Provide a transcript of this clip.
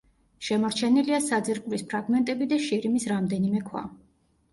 შემორჩენილია საძირკვლის ფრაგმენტები და შირიმის რამდენიმე ქვა.